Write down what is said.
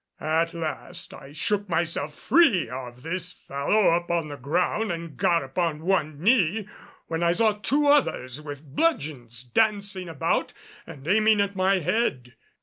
At last I shook myself free of this fellow upon the ground and got upon one knee, when I saw two others with bludgeons dancing about and aiming at my head.